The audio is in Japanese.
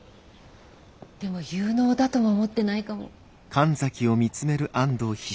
でも有能だとも思ってないかも。